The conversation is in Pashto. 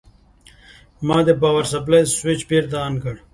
ما د پاور سپلای سویچ بېرته آن کړ.